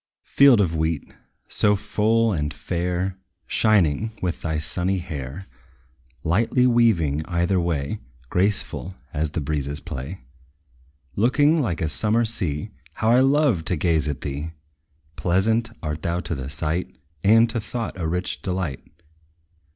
Field of wheat, so full and fair, Shining, with thy sunny hair Lightly waving either way, Graceful as the breezes play Looking like a summer sea; How I love to gaze at thee! Pleasant art thou to the sight; And to thought a rich delight.